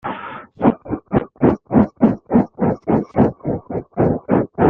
Il a été inhumé à Saint-Priest.